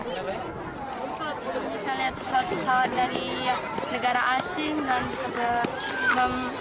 kamu merasa senang